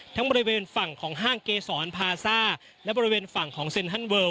บริเวณฝั่งของห้างเกษรพาซ่าและบริเวณฝั่งของเซ็นทันเลิล